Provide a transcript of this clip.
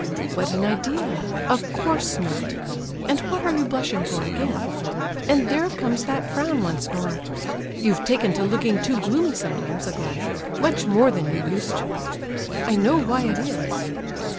"What an idea! Of course not. And what are you blushing for again? And there comes that frown once more! You've taken to looking too gloomy sometimes, Aglaya, much more than you used to. I know why it is."